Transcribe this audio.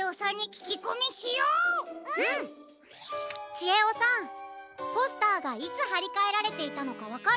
ちえおさんポスターがいつはりかえられていたのかわかる？